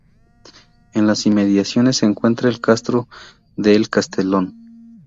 En las inmediaciones se encuentra el castro de El Castellón.